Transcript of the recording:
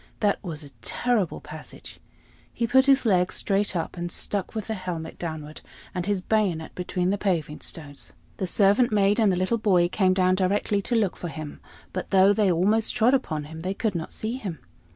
That was a terrible passage! He put his leg straight up, and stuck with helmet downward and his bayonet between the paving stones. The servant maid and the little boy came down directly to look for him, but though they almost trod upon him, they could not see him.